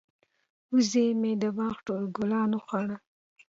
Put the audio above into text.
وزې مې د باغ ټول ګلان وخوړل.